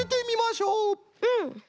うん。